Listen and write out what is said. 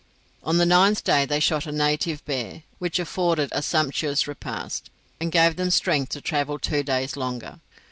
On the ninth day they shot a native bear, which afforded a sumptuous repast, and gave them strength to travel two days longer.